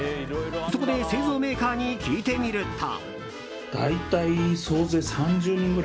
そこで、製造メーカーに聞いてみると。